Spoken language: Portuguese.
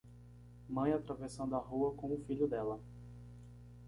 Mãe atravessando a rua com o filho dela.